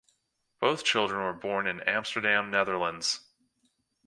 Both children were born in Amsterdam, Netherlands.